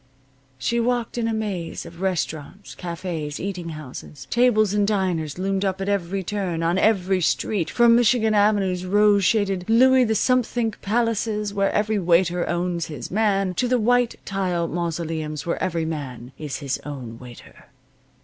She walked in a maze of restaurants, cafes, eating houses. Tables and diners loomed up at every turn, on every street, from Michigan Avenue's rose shaded Louis the Somethingth palaces, where every waiter owns his man, to the white tile mausoleums where every man is his own waiter.